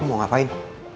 kau mau ngapain